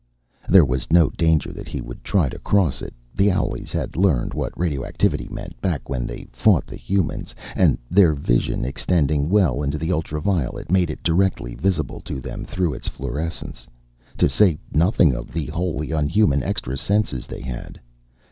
There was no danger that he would try to cross it. The owlies had learned what radioactivity meant, back when they fought the humans. And their vision, extending well into the ultra violet, made it directly visible to them through its fluorescence to say nothing of the wholly unhuman extra senses they had.